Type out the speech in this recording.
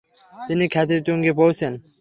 তিনি খ্যাতির তুঙ্গে পৌঁছেন।